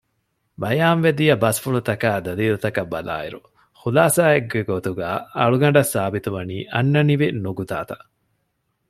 ބަޔާންވެދިޔަ ބަސްފުޅުތަކާއި ދަލީލުތަކަށް ބަލާއިރު ޚުލާޞާއެއްގެ ގޮތުގައި އަޅުގަނޑަށް ސާބިތުވަނީ އަންނަނިވި ނުގުތާތައް